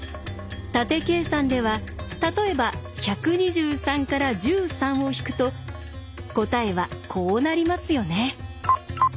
縦計算では例えば１２３から１３を引くと答えはこうなりますよね。